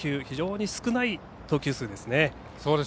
非常に少ない投球数です。